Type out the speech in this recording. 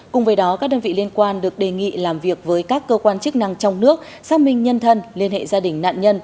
cùng với đó các đơn vị liên quan được đề nghị làm việc với các cơ quan chức năng trong nước xác minh nhân thân liên hệ gia đình nạn nhân